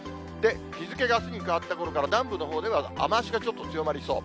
日付があすに変わったころから、南部のほうでは雨足がちょっと強まりそう。